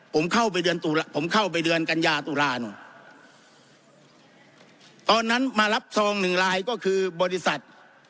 ผมเข้าไปเรือนกัญญาตุลาตอนนั้นมารับซอง๑ลายก็คือบริษัท